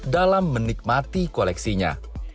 dalam menikmati koleksinya